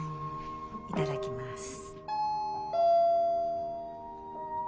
いただきます。